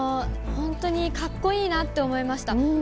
本当にかっこいいなと思いました。